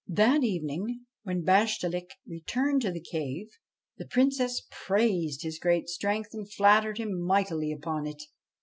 That evening, when Bashtchelik returned to the cave, the Princess praised his great strength and flattered him mightily upon it.